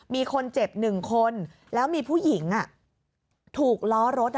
มีคนเจ็บ๑คนแล้วมีผู้หญิงถูกล้อรถ